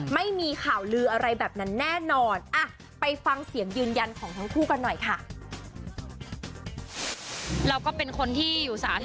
ไม่มีข่าวลืออะไรแบบนั้นแน่นอนไปฟังเสียงยืนยันของทั้งคู่กันหน่อยค่ะ